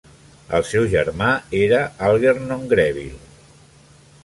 El seu germà era Algernon Greville.